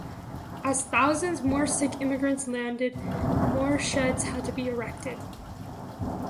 As thousands more sick immigrants landed, more sheds had to be erected.